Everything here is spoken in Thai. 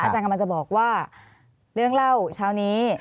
อาจารย์กำลังจะบอกว่าเรื่องเล่าเช้านี้